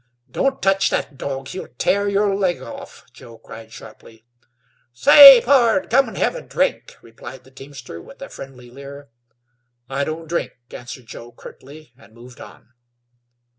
"Don't touch that dog; he'll tear your leg off!" Joe cried sharply. "Say, pard, cum an' hev' a drink," replied the teamster, with a friendly leer. "I don't drink," answered Joe, curtly, and moved on.